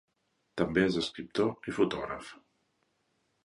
També és escriptor i fotògraf.